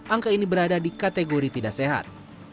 angka ini berada di kategori tidak sehat